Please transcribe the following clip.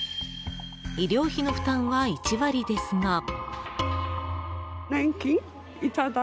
医療費の負担は１割ですが。